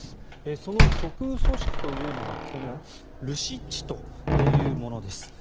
その極右組織というのがルシッチというものです。